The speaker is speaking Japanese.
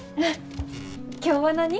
今日は何？